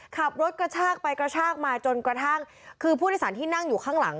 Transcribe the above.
ขับรถกระชากไปกระชากมาจนกระทั่งคือผู้โดยสารที่นั่งอยู่ข้างหลัง